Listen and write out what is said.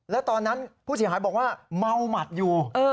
แล้วตอนนั้นผู้เสียหายบอกว่าเมาหมัดอยู่